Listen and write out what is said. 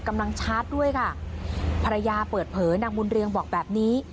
ชาร์จด้วยค่ะภรรยาเปิดเผยนางบุญเรืองบอกแบบนี้